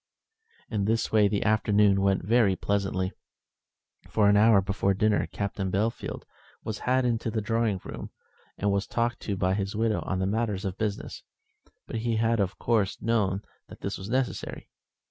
In this way the afternoon went very pleasantly. For an hour before dinner Captain Bellfield was had into the drawing room and was talked to by his widow on matters of business; but he had of course known that this was necessary.